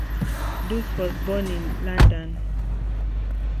Douce was born in London.